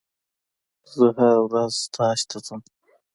زه هره ورځ ستاژ ته ځم.